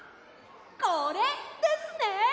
これですね！